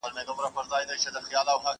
پوهانو د اقتصاد په اړه څه ويلي دي؟